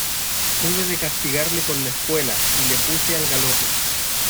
hube de castigarle con la espuela, y le puse al galope.